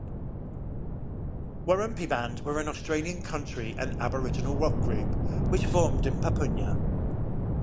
Warumpi Band were an Australian country and Aboriginal rock group which formed in Papunya.